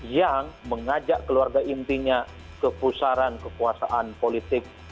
yang mengajak keluarga intinya kepusaran kekuasaan politik